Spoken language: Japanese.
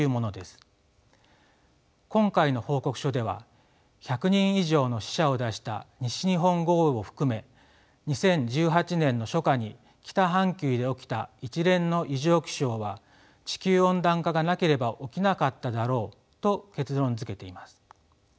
今回の報告書では１００人以上の死者を出した西日本豪雨を含め２０１８年の初夏に北半球で起きた一連の異常気象は地球温暖化がなければ起きなかっただろうと結論づけています。